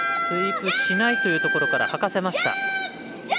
スイープしないというところから掃かせました。